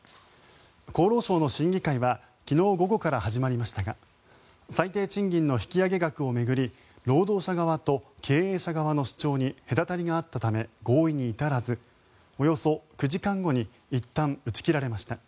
厚労省の審議会は昨日午後から始まりましたが最低賃金の引き上げ額を巡り労働者側と経営者側の主張に隔たりがあったため合意に至らずおよそ９時間後にいったん打ち切られました。